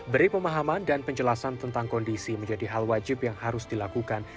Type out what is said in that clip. beri pemahaman dan penjelasan tentang kondisi menjadi hal wajib yang harus dilakukan